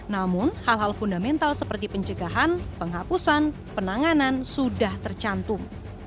namun hal hal fundamental seperti pencegahan penghapusan penanganan sudah tercantum